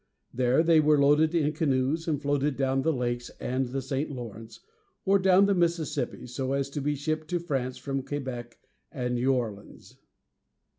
There they were loaded in canoes and floated down the Lakes and the St. Lawrence, or down the Mississippi, so as to be shipped to France from Quebec and New Orleans.